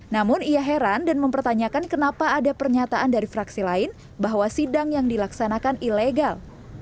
namun ia heran dan mempertanyakan kenapa ada pernyataan dari fraksi lain bahwa sidang yang dilaksanakan ilegal